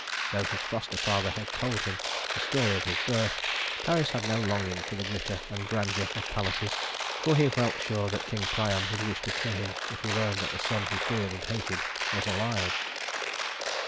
Though his foster father had told him the story of his birth, Paris had no longing for the glitter and grandeur of palaces, for he felt sure that king Priam would wish to kill him if he learned that the son he feared and hated was alive.